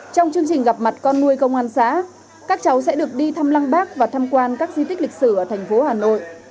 trong chương trình gặp mặt con nuôi công an xã các cháu sẽ được đi thăm lăng bác và thăm quan các di tích lịch sử ở thành phố hà nội